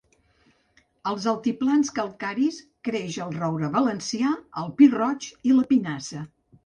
Als altiplans calcaris creix el roure valencià, el pi roig i la pinassa.